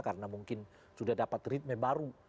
karena mungkin sudah dapat ritme baru